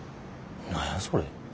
何やそれ。